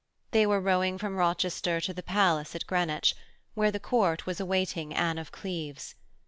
They were rowing from Rochester to the palace at Greenwich, where the Court was awaiting Anne of Cleves.